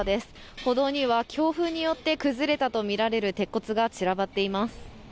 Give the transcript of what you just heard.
歩道には強風によって崩れたとみられる鉄骨が散らばっています。